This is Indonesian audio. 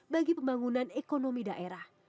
bagi pembangunan ekonomi daerah